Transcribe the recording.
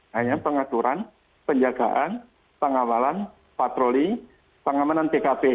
hanya pengaturan penjagaan pengawalan patroli pengamanan tkp